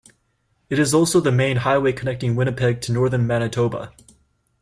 It is also the main highway connecting Winnipeg to northern Manitoba.